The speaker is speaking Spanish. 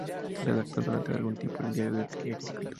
Redactó durante algún tiempo el "Diario de agricultura".